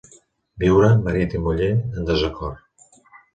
Viure, marit i muller, en desacord.